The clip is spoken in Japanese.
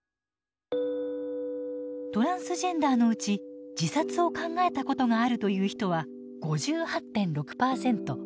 トランスジェンダーのうち自殺を考えたことがあるという人は５８．６％。